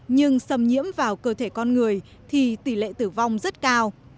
nhưng xâm nhiễm vào cơ thể con người thì tỷ lệ tử vong rất cao